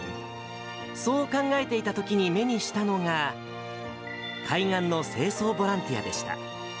そう考えていたときに目にしたのが、海岸の清掃ボランティアでした。